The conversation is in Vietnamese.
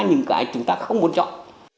những cái chúng ta không muốn chọn